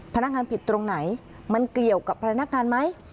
พนักงานผิดตรงไหนมันเกี่ยวกับพนักงานไหม